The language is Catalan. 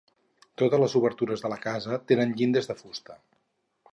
Totes les obertures de la casa tenen llindes de fusta.